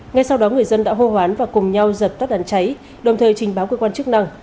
ngay sau đó người dân đã hô hoán và cùng nhau giật tắt đàn cháy đồng thời trình báo cơ quan chức năng